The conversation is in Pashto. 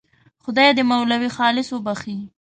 خدای دې مولوي خالص وبخښي.